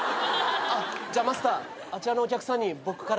あっじゃあマスターあちらのお客さんに僕から１杯。